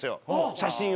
写真を。